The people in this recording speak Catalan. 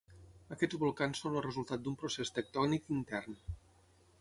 Aquests volcans són el resultat d'un procés tectònic intern.